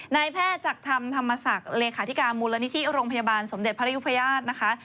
นายแพทย์จักรธรรมธรรมศักดิ์เลขาธิการมูลนิธิโรงพยาบาลสมเด็จพระยุพญาตินะคะ